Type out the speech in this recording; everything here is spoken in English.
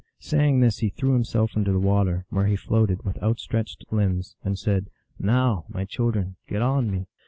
Saying this, he threw himself into the water, where he floated with outstretched limbs, and said, " Now, my children, get on me."